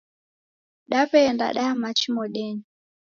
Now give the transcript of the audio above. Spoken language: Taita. Daw'eenda daya machi modenyi.